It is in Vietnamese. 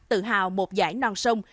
tự hào một giải non sông